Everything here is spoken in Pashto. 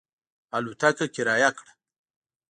الوتکه کرایه کړه.